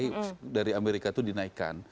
bank sentral bagaimana dari amerika itu dinaikkan